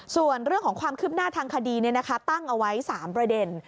ส่วนเรื่องของความคืบหน้าทางคดีตั้งเอาไว้๓ประเด็น